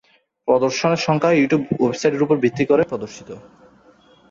প্রদর্শনের সংখ্যা ইউটিউব ওয়েবসাইটের উপর ভিত্তি করে প্রদর্শিত।